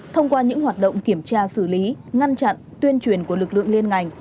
thông qua những hoạt động kiểm tra xử lý ngăn chặn tuyên truyền của lực lượng liên ngành